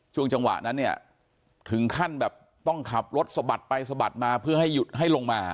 ช่วงจังหวะนั้นเนี่ยถึงขั้นแบบต้องขับรถสะบัดไปสะบัดมาเพื่อให้หยุดให้ลงมา